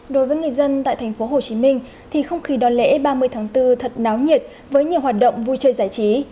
đối với nghị dân tại thành phố hồ chí minh thì không khí đón lễ ba mươi tháng bốn thật náo nhiệt với nhiều hoạt động vui chơi giải trí